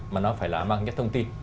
mà nó phải là mang nhất thông tin